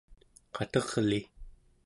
qaterli